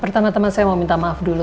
pertama teman saya mau minta maaf dulu